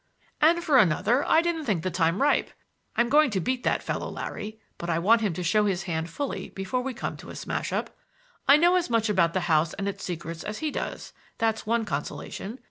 "And for another I didn't think the time ripe. I'm going to beat that fellow, Larry, but I want him to show his hand fully before we come to a smash up. I know as much about the house and its secrets as he does, —that's one consolation.